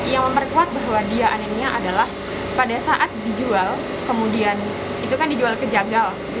yang memperkuat bahwa dia anehnya adalah pada saat dijual kemudian itu kan dijual ke jagal